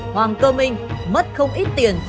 hoàng cơ minh mất không ít tiền